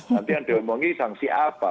nanti yang diomongi sanksi apa